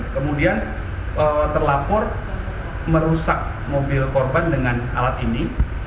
kemudian terlapor merusak mobil korban dengan alat ini